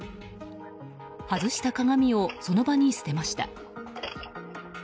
外した鏡をその場に捨てました。